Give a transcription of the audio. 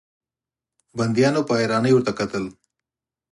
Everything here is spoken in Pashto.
بنديانو په حيرانۍ ورته کتل.